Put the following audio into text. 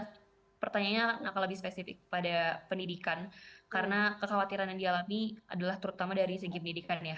nah pertanyaannya akan lebih spesifik pada pendidikan karena kekhawatiran yang dialami adalah terutama dari segi pendidikan ya